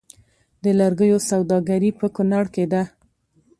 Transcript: د لرګیو سوداګري په کنړ کې ده